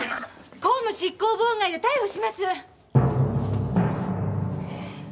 公務執行妨害で逮捕します！